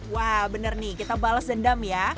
wah bener nih kita balas dendam ya